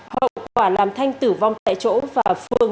hậu quả làm thanh tử vong tại chỗ và phương